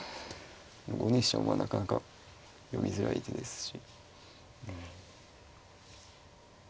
５二飛車はなかなか読みづらい手ですし。